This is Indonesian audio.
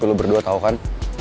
tapi lu berdua tau kan